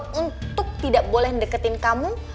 nyuruh boy untuk tidak boleh mendeketin kamu